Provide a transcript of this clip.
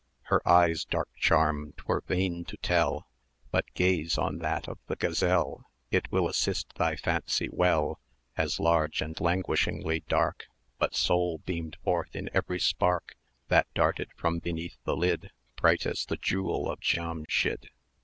Her eye's dark charm 'twere vain to tell, But gaze on that of the Gazelle, It will assist thy fancy well; As large, as languishingly dark, But Soul beamed forth in every spark That darted from beneath the lid, Bright as the jewel of Giamschid.